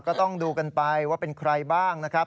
ก็ต้องดูกันไปว่าเป็นใครบ้างนะครับ